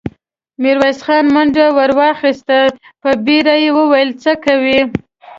ميرويس خان منډه ور واخيسته، په بيړه يې وويل: څه کوئ!